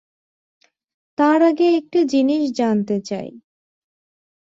তার আগে একটি জিনিস জানতে চাই।